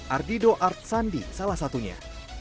ardido art sandi salah satunya